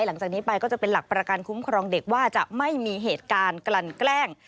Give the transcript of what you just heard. หลังจากนี้ไปก็จะเป็นหลักประกันคุ้มครองเด็กว่าจะไม่มีเหตุการณ์กลั่นแกล้ง